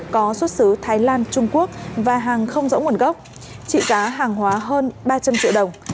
có xuất xứ thái lan trung quốc và hàng không rõ nguồn gốc trị giá hàng hóa hơn ba trăm linh triệu đồng